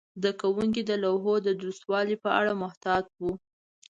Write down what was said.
زده کوونکي د لوحو د درستوالي په اړه محتاط وو.